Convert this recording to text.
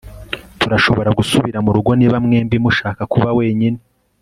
Turashobora gusubira murugo niba mwembi mushaka kuba wenyine